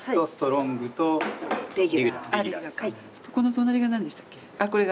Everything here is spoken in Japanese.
この隣が何でしたっけ？